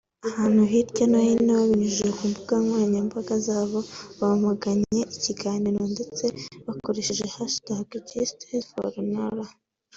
Abantu hirya no hino babinyujije ku mbuga nloranyambaga zabo bamaganye iki gihano ndetse bakoresha hashtag #JusticeForNoura